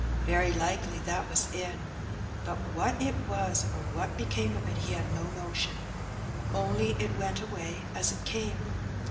Very likely that was it; but what it was, or what became of it, he had no notion. Only it went away as it came.